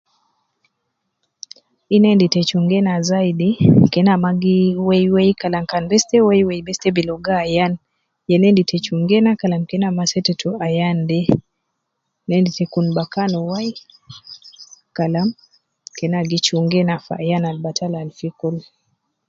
Ina endi te chunga ina zaidi kena ma gi Wei Wei Kalam kan bes te wei wei bes te bi ligo ayan, ya ne endi te chunga ina Kalam kena ma setetu ayan de, ne endi te kun bakan wai Kalam kena gi chunga fi ayan al batal al gi kul